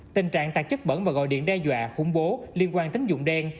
tình trạng tạc chất bẩn và gọi điện đe dọa khủng bố liên quan tính dụng đen